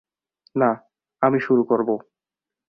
না, আমি শুরু করব।